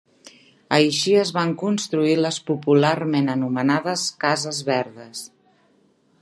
Així es van construir les popularment anomenades Cases Verdes.